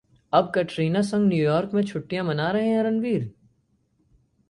अब कटरीना संग न्यूयॉर्क में छुट्टियां मना रहे हैं रणबीर?